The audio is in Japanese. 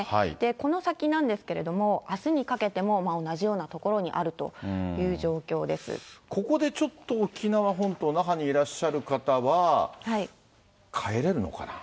この先なんですけれども、あすにかけても同じような所にあるといここでちょっと沖縄本島、那覇にいらっしゃる方は帰れるのかな？